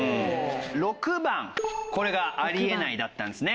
６番これがありえないだったんですね。